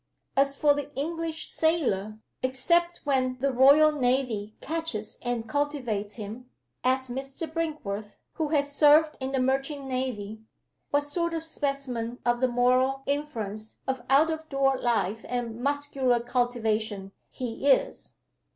As for the English sailor except when the Royal Navy catches and cultivates him ask Mr. Brinkworth, who has served in the merchant navy, what sort of specimen of the moral influence of out of door life and muscular cultivation he is."